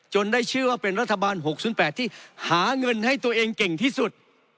ได้ชื่อว่าเป็นรัฐบาล๖๐๘ที่หาเงินให้ตัวเองเก่งที่สุด